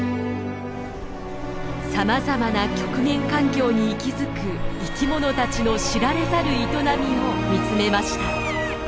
さまざまな極限環境に息づく生きものたちの知られざる営みを見つめました。